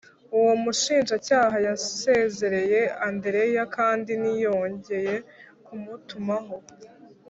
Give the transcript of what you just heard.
Uwo mushinjacyaha yasezereye Andereya kandi ntiyongeye kumutumaho